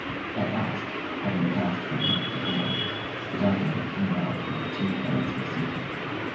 At last, having passed from hand to hand, the document came round to where the two parents were sitting.